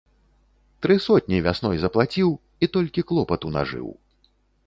Тры сотні вясной заплаціў, і толькі клопату нажыў.